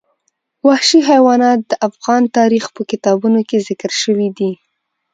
وحشي حیوانات د افغان تاریخ په کتابونو کې ذکر شوی دي.